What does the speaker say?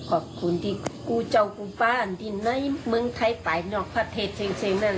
ขอบคุณที่กูเจ้ากูฟานที่ไหนเมืองไทยไปนอกประเทศเสียงนั้น